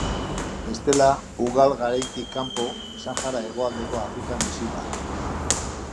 Bestela, ugal garaitik kanpo Sahara hegoaldeko Afrikan bizi da.